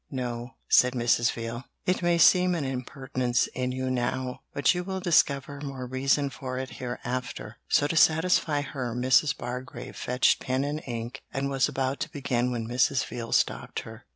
'No,' said Mrs. Veal; 'it may seem an impertinence in you now, but you will discover more reason for it hereafter;' so to satisfy her, Mrs. Bargrave fetched pen and ink and was about to begin when Mrs. Veal stopped her.